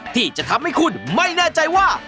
ที่จะทำให้คุณไม่แน่ใจว่า